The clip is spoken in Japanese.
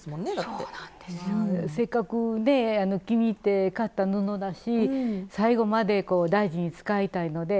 せっかくね気に入って買った布だし最後までこう大事に使いたいので。